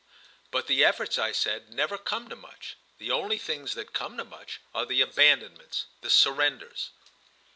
"But the efforts," I said, "never come to much: the only things that come to much are the abandonments, the surrenders."